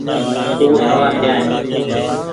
او سوآر جآئي۔